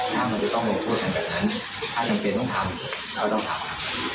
ถ้ามันจะต้องลงโทษกันแบบนั้นถ้าจำเป็นต้องทำเราต้องทำ